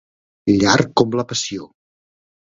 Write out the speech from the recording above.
Llarg com la Passió.